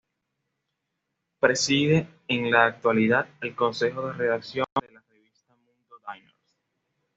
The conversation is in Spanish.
Preside, en la actualidad, el consejo de redacción de la revista Mundo Diners.